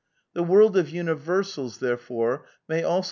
The world of universals, therefore, may also